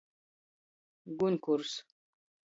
Gunkurs.